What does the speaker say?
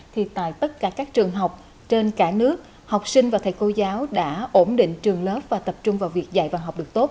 thì tại tất cả các trường học trên cả nước học sinh và thầy cô giáo đã ổn định trường lớp và tập trung vào việc dạy và học được tốt